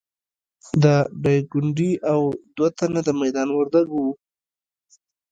د ډایکنډي او دوه تنه د میدان وردګو وو.